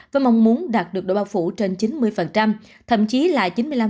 với mong muốn đạt được độ bao phủ trên chín mươi thậm chí là chín mươi năm